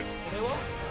これは？